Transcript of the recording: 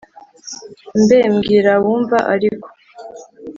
mbe mbwira abumva ariko